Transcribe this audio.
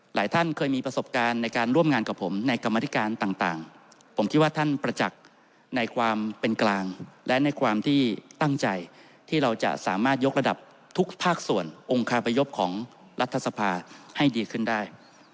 หลายท่านเคยมีประสบการณ์ในการร่วมงานกับผมในกรรมธิการต่างผมคิดว่าท่านประจักษ์ในความเป็นกลางและในความที่ตั้งใจที่เราจะสามารถยกระดับทุกภาคส่วนองค์คาพยพของรัฐสภาให้ดีขึ้นได้